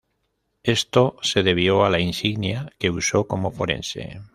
Esto se debió a la insignia que usó como forense.